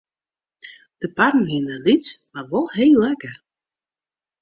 De parren wienen lyts mar wol heel lekker.